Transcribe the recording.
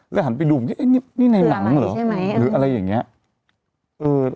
และหันไปดูบอกว่านี้ในน้ำหรือหรืออะไรอย่างนี้